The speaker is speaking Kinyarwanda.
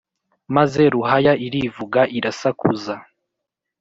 maze ruhaya irivuga irasakuza